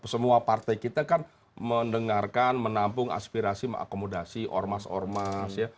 semua partai kita kan mendengarkan menampung aspirasi mengakomodasi ormas ormas ya